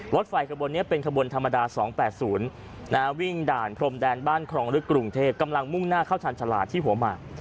รถไฟขบวนนี้เป็นขบวนธรรมดา๒๘๐วิ่งด่านพรมแดนบ้านครองลึกกรุงเทพกำลังมุ่งหน้าเข้าชาญชาลาที่หัวหมาก